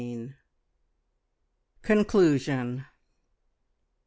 CONCLUSION.